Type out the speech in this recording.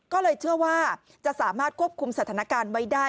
ก็เลยเชื่อว่าจะสามารถควบคุมสถานการณ์ไว้ได้